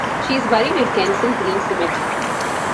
She is buried at Kensal Green Cemetery.